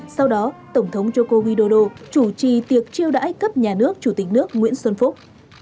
sau đó tổng thống joko widodo chủ trì tiệc chiêu đãi cấp nhà nước chủ tịch nước nguyễn xuân phúc